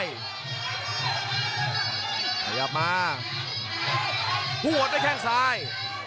อย่ามาโอ้โหได้แค่งซ้าย